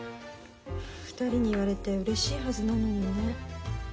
２人に言われてうれしいはずなのにね。